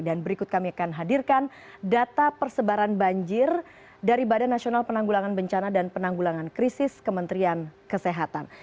dan berikut kami akan hadirkan data persebaran banjir dari badan nasional penanggulangan bencana dan penanggulangan krisis kementerian kesehatan